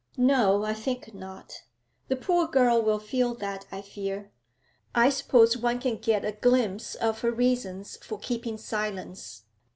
'No; I think not. The poor girl will feel that, I fear. I suppose one can get a glimpse of her reasons for keeping silence?'